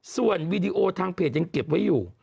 ส่วนวีดีโอทางเพจยังเก็บไว้อยู่